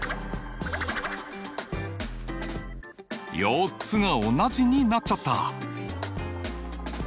４つが同じになっちゃった。